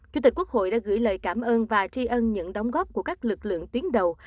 chủ tịch quốc hội đã gửi lời cảm ơn và tri ân những đóng góp của các lực lượng tuyến đầu